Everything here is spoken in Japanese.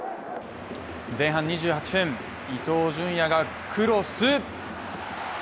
前半２８分、伊東純也がクロス。